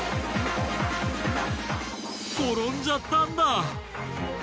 転んじゃったんだ！